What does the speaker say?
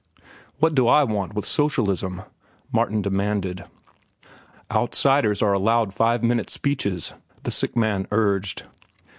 "What do I want with socialism?" Martin demanded. "Outsiders are allowed five minute speeches," the sick man urged.